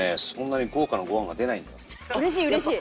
「うれしいうれしい！」